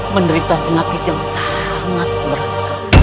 menderita penyakit yang sangat berat sekali